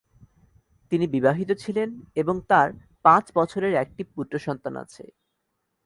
তিনি বিবাহিত ছিলেন এবং তাঁর পাঁচ বছরের একটি পুত্রসন্তান আছে।